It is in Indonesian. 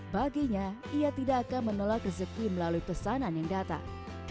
baginya ia tidak akan menolak rezeki melalui pesanan yang datang